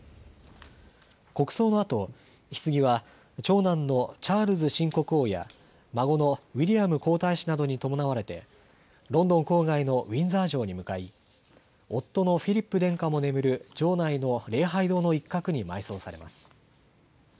国葬のあと、ひつぎは長男のチャールズ新国王や孫のウィリアム皇太子などに伴われてロンドン郊外のウィンザー城に向かい夫のフィリップ殿下も眠る城内の礼拝堂の一角に埋葬されます。